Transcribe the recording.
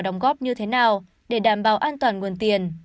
hợp đồng góp như thế nào để đảm bảo an toàn nguồn tiền